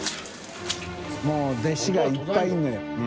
發弟子がいっぱいいるのよ。